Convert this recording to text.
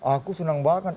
aku senang banget